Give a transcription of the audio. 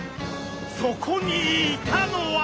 そこにいたのは。